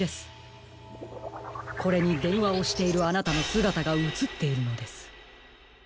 これにでんわをしているあなたのすがたがうつっているのです。